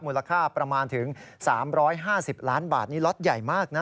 ประมาณถึง๓๕๐ล้านบาทนี่ล็อตใหญ่มากนะ